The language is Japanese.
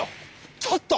ちょっと！